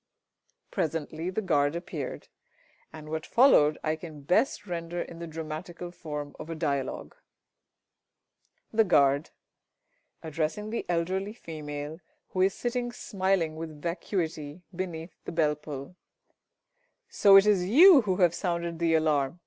Presently the Guard appeared, and what followed I can best render in the dramatical form of a dialogue: The Guard (addressing the ~Elderly Female~, who is sitting smiling with vacuity beneath the bell pull). So it is you who have sounded the alarm!